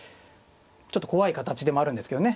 ちょっと怖い形でもあるんですけどね。